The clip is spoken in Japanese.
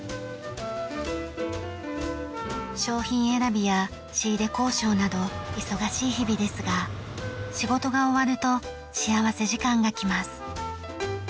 商品選びや仕入れ交渉など忙しい日々ですが仕事が終わると幸福時間がきます。